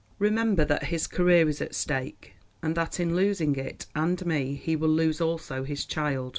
Remember that his career is at stake, and that in losing it and me he will lose also his child.